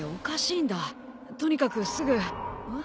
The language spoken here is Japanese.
とにかくすぐん！？